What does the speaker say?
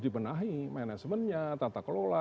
dibenahi manasemennya tata kelola